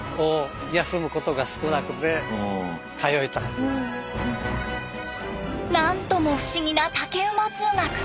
すごい！何とも不思議な竹馬通学